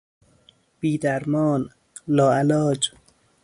بیدرمان، لاعلاج